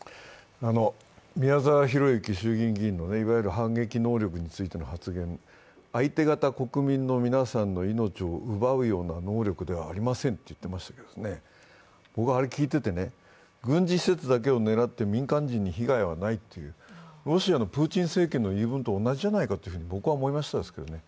宮澤博行衆議院議員の反撃能力についての発言、相手方国民の皆さんの命を奪うような能力ではありませんと言っていましたけれども、僕はあれを聞いてて、軍事施設だけを狙って民間人に被害はないという、ロシアのプーチン政権の言い分と同じじゃないかと僕は思いましたけれどもね。